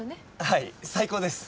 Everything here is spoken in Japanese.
はい最高です。